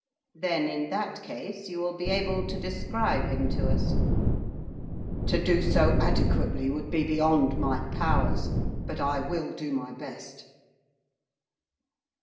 'Then, in that case, you will be able to describe him to us.' 'To do so adequately would be beyond my powers. But I will do my best.